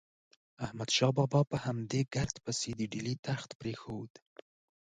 احمد شاه بابا په همدې ګرد پسې د ډیلي تخت پرېښود.